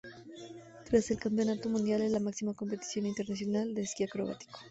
Tras el Campeonato Mundial, es la máxima competición internacional de esquí acrobático.